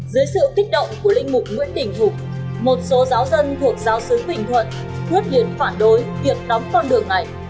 dưới sự kích động của lĩnh mục nguyễn tỉnh hục một số giáo dân thuộc giáo sứ bình thuận khuyết liệt phản đối việc đóng con đường này